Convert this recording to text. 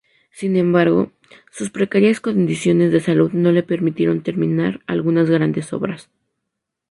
Sin embargo, sus precarias condiciones de salud no le permitieron terminar algunas grandes obras.